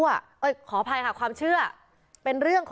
วิทยาลัยศาสตรี